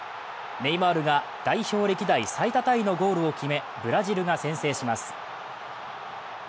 ネイマールが代表歴代最多タイのゴールを決め、ブラジルが先制します。